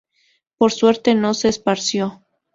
Por suerte, no se esparció.